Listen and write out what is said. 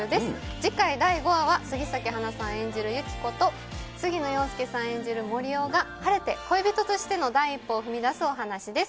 次回第５話は、杉咲花さん演じるユキコと、杉野遥亮さん演じる森生が晴れて恋人としての第一歩を踏み出すお話です。